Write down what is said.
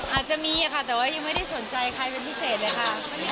อาจจะมีค่ะแต่ว่ายังไม่ได้สนใจใครเป็นพิเศษเลยค่ะ